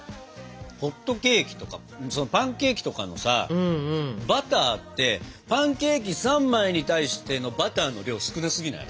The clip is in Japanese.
ホットケーキとかパンケーキとかのさバターってパンケーキ３枚に対してのバターの量少なすぎない？